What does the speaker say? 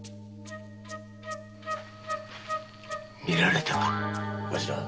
見られたか！